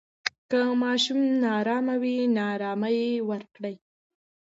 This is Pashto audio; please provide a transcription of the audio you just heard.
که ماشوم نا آرامه وي، آرامۍ ورکړئ.